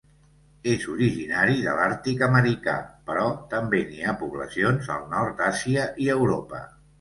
És originari de l'àrtic americà, però també n'hi ha poblacions al nord d'Àsia i Europa.